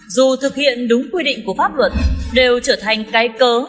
dù thực hiện đúng quy định của pháp luật đều trở thành cái cớ